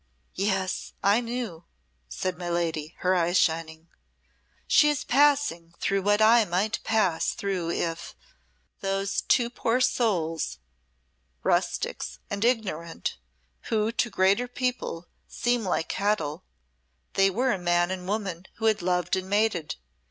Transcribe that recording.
"Yes, I knew," said my lady her eyes shining. "She is passing through what I might pass through if ! Those two poor souls rustics, and ignorant, who to greater people seem like cattle they were man and woman who had loved and mated.